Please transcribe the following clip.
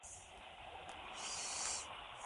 هغې د ماشومانو د سترګو د پاملرنې پوهه لري.